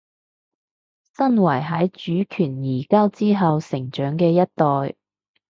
身為喺主權移交之後成長嘅一代